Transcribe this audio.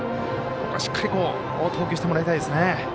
ここはしっかり投球してもらいたいですね。